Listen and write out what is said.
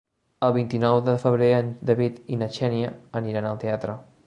El vint-i-nou de febrer en David i na Xènia aniran al teatre.